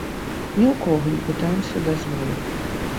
Ні ў кога не пытаемся дазволу.